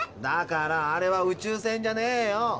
だからあれは宇宙船じゃねえよ。